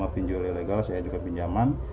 pinjol ilegal saya juga pinjaman